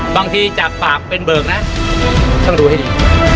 จากปากเป็นเบิกนะต้องดูให้ดี